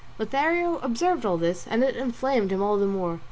Lothario observed all this, and it inflamed him all the more.